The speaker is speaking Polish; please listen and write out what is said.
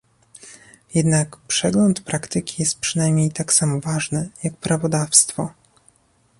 Jednak przegląd praktyki jest przynajmniej tak samo ważny jak prawodawstwo